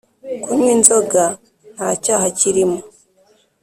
Kunywa inzoga ntacyaha kirimo